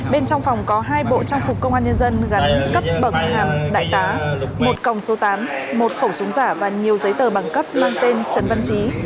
bên trong phòng có hai bộ trang phục công an nhân dân gắn cấp bằng hàm đại tá một còng số tám một khẩu súng giả và nhiều giấy tờ bằng cấp mang tên trần văn trí